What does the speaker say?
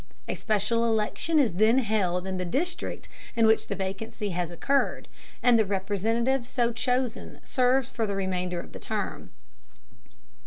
A special election is then held in the district in which the vacancy has occurred, and the Representative so chosen serves for the remainder of the term.